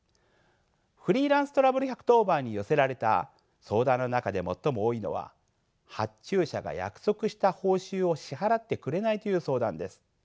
フリーランス・トラブル１１０番に寄せられた相談の中で最も多いのは発注者が約束した報酬を支払ってくれないという相談です。